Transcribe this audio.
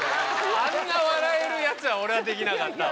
あんな笑えるやつは、俺はできなかったわ。